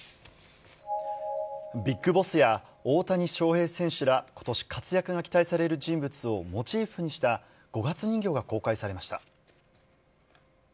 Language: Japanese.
ビッグボスや大谷翔平選手ら、ことし活躍が期待される人物をモチーフにした五月人形が公開されました。